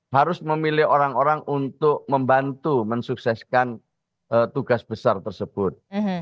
harus memilih orang orang untuk membantu mensukseskan tugas besar tersebut